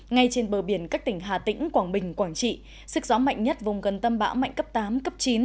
ngay trên bờ biển các tỉnh hà tĩnh quảng bình quảng trị sức gió mạnh nhất vùng gần tâm bão mạnh cấp tám cấp chín